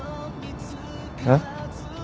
えっ？